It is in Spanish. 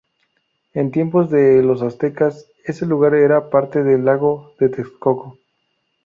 En tiempos de los aztecas, ese lugar era parte del lago de Texcoco.